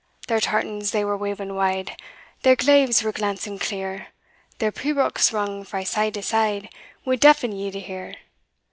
"Their tartans they were waving wide, Their glaives were glancing clear, Their pibrochs rung frae side to side, Would deafen ye to hear.